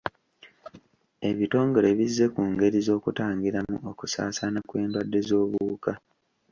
Ebitongole bizze ku ngeri z'okutangiramu okusaasaana kw'endwadde z'obuwuka.